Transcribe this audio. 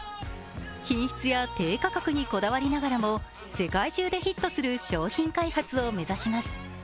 品質や低価格にこだわりながらも世界中でヒットする商品開発を目指します。